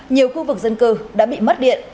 nhiều khu vực dân cư đã bị mất điện